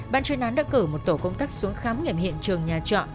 ban chân án đã cử một tổ công tắc xuống khám nghiệm hiện trường nhà trọ